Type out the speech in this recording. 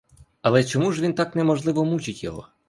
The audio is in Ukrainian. Але чому ж він так неможливо мучить його?